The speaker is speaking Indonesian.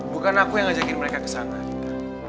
bukan aku yang ngajakin mereka ke sana gitu